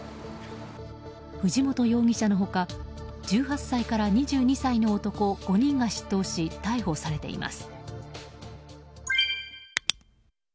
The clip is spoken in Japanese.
藤本容疑者の他１８歳から２２歳の男５人が出頭し逮捕されています。